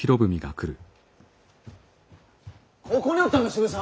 ここにおったんか渋沢！